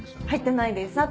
入ってないです。